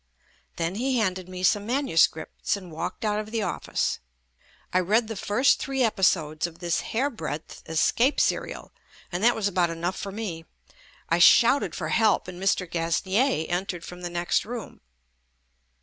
Then he handed me some manu scripts and walked out of the office. I read the JUST ME first three episodes of this hair breadth escape serial and that was about enough for me. I shouted for help and Mr. Gasnier entered from the next room.